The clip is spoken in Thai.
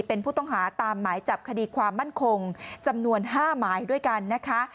เป็นผู้ต้องหาตามหมายจับคดีความมั่นคงจำนวน๕หมายด้วยกันนะคะ